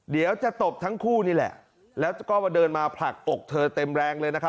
เดี๋ยวจะตบทั้งคู่นี่แหละแล้วก็มาเดินมาผลักอกเธอเต็มแรงเลยนะครับ